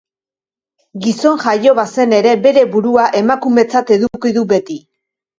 Gizon jaio bazen ere, bere burua emakumetzat eduki du beti.